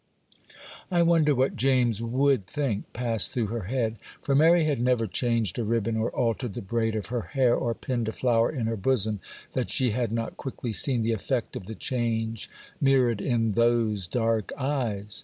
'I wonder what James would think,' passed through her head; for Mary had never changed a ribbon, or altered the braid of her hair, or pinned a flower in her bosom, that she had not quickly seen the effect of the change mirrored in those dark eyes.